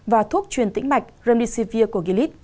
và thuốc truyền tĩnh mạch remdesivir của gilead